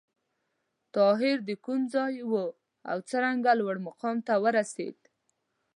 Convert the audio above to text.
طاهر د کوم ځای و او څرنګه لوړ مقام ته ورسېد؟